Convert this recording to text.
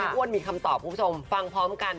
กิ๊กโว้นมีคำตอบผู้ชมฟังพร้อมกัน